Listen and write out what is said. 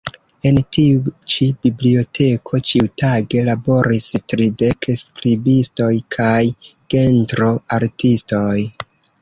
En tiu ĉi biblioteko ĉiutage laboris tridek skribistoj kaj gentro-artistoj.